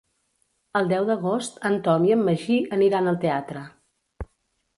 El deu d'agost en Tom i en Magí aniran al teatre.